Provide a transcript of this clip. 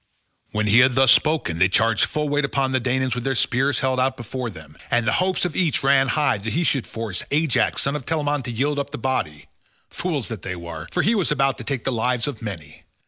When he had thus spoken they charged full weight upon the Danaans with their spears held out before them, and the hopes of each ran high that he should force Ajax son of Telamon to yield up the body—fools that they were, for he was about to take the lives of many.